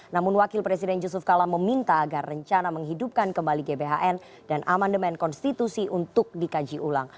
namun wakil presiden yusuf kala meminta agar rencana menghidupkan kembali gbhn dan amandemen konstitusi untuk dikaji ulang